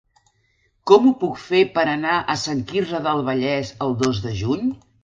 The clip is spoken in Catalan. Com ho puc fer per anar a Sant Quirze del Vallès el dos de juny?